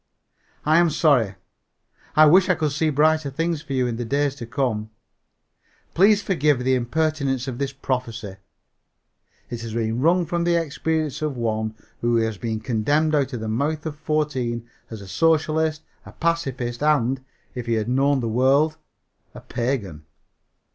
"I am sorry. I wish I could see brighter things for you in the days to come. Please forgive the impertinence of this prophecy. It has been wrung from the experience of one who has been condemned out of the mouth of fourteen as a socialist, a pacifist and (if he had known the word) a pagan."